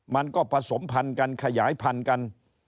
มันก็ผสมพันธุ์กันขยายพันธุ์กัน